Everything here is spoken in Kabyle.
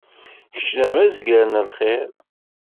Kečč d amezzgar n lxiṛ.